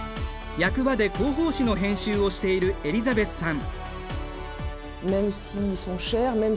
役場で広報誌の編集をしているエリザベスさん。